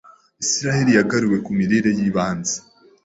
Isiraheli yagaruwe ku mirire y’ibanze